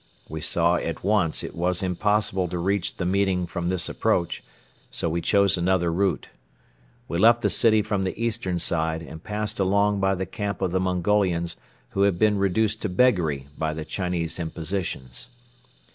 We saw at once it was impossible to reach the meeting from this approach, so we chose another route. We left the city from the eastern side and passed along by the camp of the Mongolians who had been reduced to beggary by the Chinese impositions.